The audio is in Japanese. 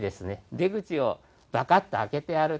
出口をバカッと開けてやると。